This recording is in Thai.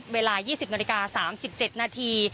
เวลา๒๐นาที๓๗นาที